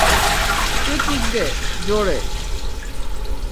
তুই কিক দে, জোরে।